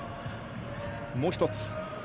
もう１つ。